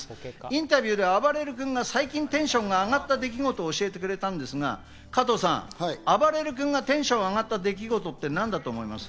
インタビューではあばれる君が最近テンションが上がった出来事を教えてくれたんですが、加藤さん、あばれる君がテンションが上がった出来事って何だと思います？